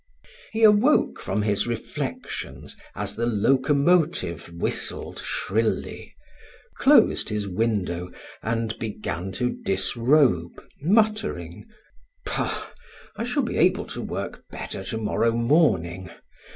He awoke from his reflections as the locomotive whistled shrilly, closed his window, and began to disrobe, muttering: "Bah, I shall be able to work better to morrow morning.